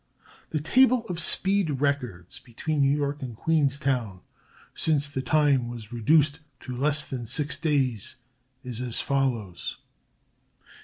The table of speed records between New York and Queenstown, since the time was reduced to less than six days, is as follows: Time.